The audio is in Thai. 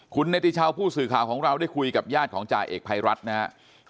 คุณเนติชาวผู้สื่อข่าวของเราได้คุยกับญาติของจ่าเอกภัยรัฐนะครับ